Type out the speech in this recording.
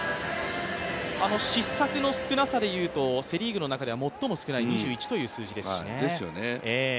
失策の少なさで言うとセ・リーグの中では最も少ない２１という数字ですよね。